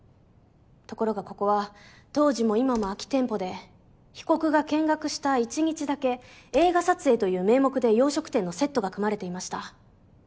ところがここは当時も今も空き店舗で被告が見学した１日だけ映画撮影という名目で洋食店のセットが組まれていました。